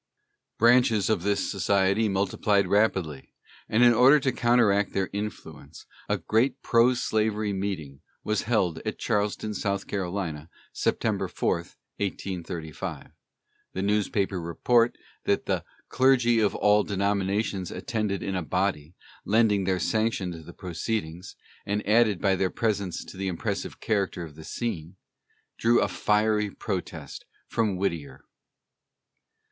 Branches of this society multiplied rapidly, and in order to counteract their influence, a great pro slavery meeting was held at Charleston, S. C., September 4, 1835. The newspaper report that "the clergy of all denominations attended in a body, lending their sanction to the proceedings, and adding by their presence to the impressive character of the scene," drew a fiery protest from Whittier.